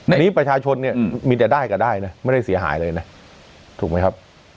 อันนี้ประชาชนเนี่ยมีแต่ได้ก็ได้นะไม่ได้เสียหายเลยนะถูกไหมครับ